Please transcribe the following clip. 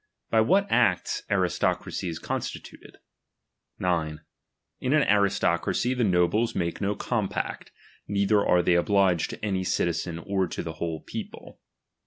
By what acts aristocracy is constituted. S. In nn aristocracy the oobies make no compact, neither are tliey oliiigc«l to any citizen or to the whole people.